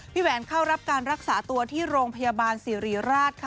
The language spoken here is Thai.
แหวนเข้ารับการรักษาตัวที่โรงพยาบาลสิริราชค่ะ